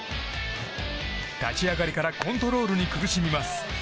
立ち上がりからコントロールに苦しみます。